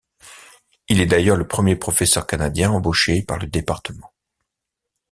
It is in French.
Il est d'ailleurs le premier professeur canadien embauché par le département.